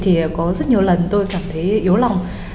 thì có rất nhiều lần tôi cảm thấy yếu lòng